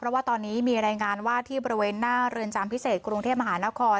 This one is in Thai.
เพราะว่าตอนนี้มีรายงานว่าที่บริเวณหน้าเรือนจำพิเศษกรุงเทพมหานคร